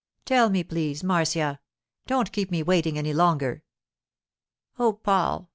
Tell me, please, Marcia. Don't keep me waiting any longer.' 'Oh, Paul!